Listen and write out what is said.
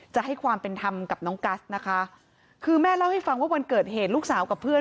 จะให้ความเป็นธรรมกับน้องกัสนะคะคือแม่เล่าให้ฟังว่าวันเกิดเหตุลูกสาวกับเพื่อน